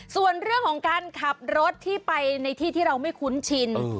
ส่วนเรื่องของการขับรถที่ไปในที่ที่เราไม่คุ้นชิน